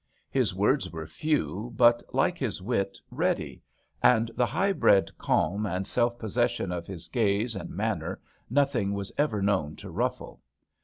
His words were few but, like his wit, ready, and the high bred calm and self possession of his gaze and manner nothing was ever known to ruffle.